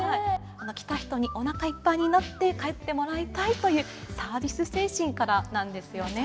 来た人におなかいっぱいになって帰ってもらいたいというサービス精神からなんですよね。